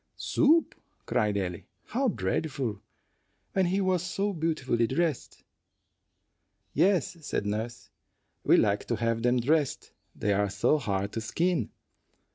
"Soup!" cried Ellie; "how dreadful, when he was so beautifully dressed!" "Yes," said nurse, "we like to have them dressed; they are so hard to skin."